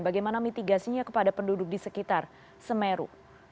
bagaimana mitigasinya kepada penduduk di sekitar semeru